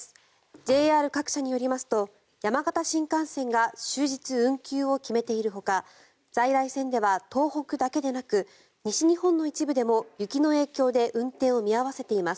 ＪＲ各社によりますと山形新幹線が終日運休を決めているほか在来線では東北だけでなく西日本の一部でも雪の影響で運転を見合わせています。